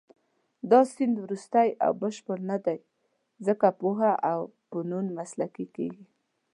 دا سیند وروستۍ او بشپړه نه دی، ځکه پوهه او فنون مسلکي کېږي.